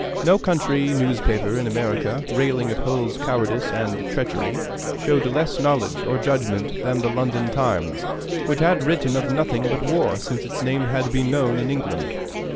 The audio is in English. No country newspaper in America, railing at Hull's cowardice and treachery, showed less knowledge or judgment than the London Times, which had written of nothing but war since its name had been known in England.